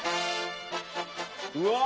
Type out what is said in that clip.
うわ！